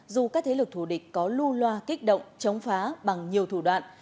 dù các thế lực thù địch có lu loa kích động chống phá bằng nhiều thủ đoạn